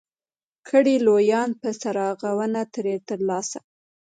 کړي لویان به څراغونه ترې ترلاسه